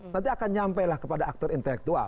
nanti akan nyampe lah kepada aktor intelektual